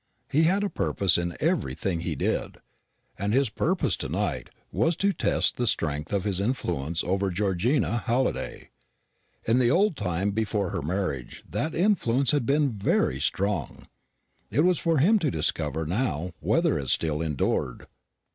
He had a purpose in everything he did, and his purpose to night was to test the strength of his influence over Georgina Halliday. In the old time before her marriage that influence had been very strong. It was for him to discover now whether it still endured.